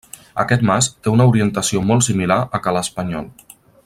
Aquest mas té una orientació molt similar a ca l'Espanyol.